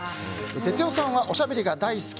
哲代さんはおしゃべりが大好き。